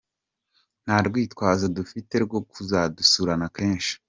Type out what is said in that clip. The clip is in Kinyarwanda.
Nta rwitwazo dufite rwo kudasurana kenshi.